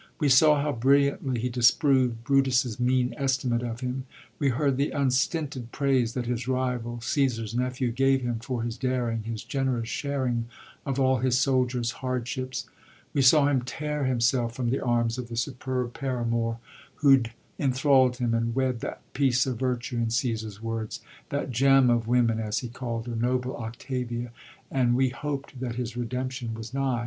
We saw how brilliantly he disproved Brutus's mean estimate of him ; we heard the unstinted praise that his rival, Caasar's nephew, gave him for his daring, his generous sharing of all his soldiers' hard ships ; we saw him tear himself from the arms of the superb paramour who'd enthrald him, and wed that "piece of virtue" (in Caesar's words), that gem of women " (as he calld her), noble Octavia, and we hoped that his redemption was nigh.